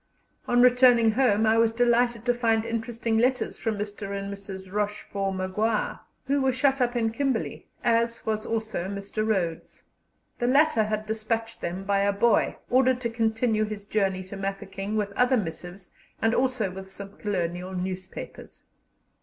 On returning home, I was delighted to find interesting letters from Mr. and Mrs. Rochfort Maguire, who were shut up in Kimberley, as was also Mr. Rhodes. The latter had despatched them by a boy, ordered to continue his journey to Mafeking with other missives and also with some colonial newspapers.